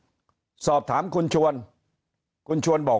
เพราะสุดท้ายก็นำไปสู่การยุบสภา